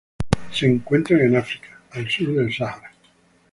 Se encuentran en África, al sur del Sáhara.